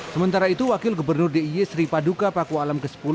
sementara itu wakil gubernur d i e sri paduka pakualam ke sepuluh